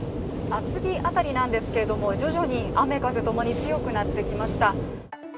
厚木辺りなんですけど、徐々に雨風ともに強くなってきました。